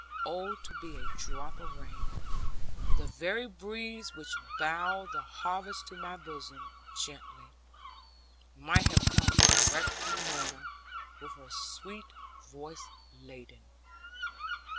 Oh, to be a drop of rain! The very breeze which bowed the harvest to my bosom gently, might have come direct from Lorna, with her sweet voice laden.